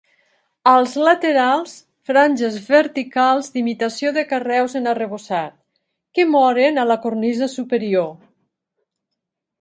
Als laterals, franges verticals d'imitació de carreus en arrebossat, que moren a la cornisa superior.